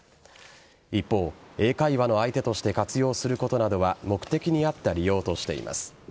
一方、英会話の相手として活用することなどは目的に合った利用としています。